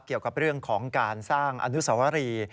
เกี่ยวกับเรื่องของการสร้างอนุสวรี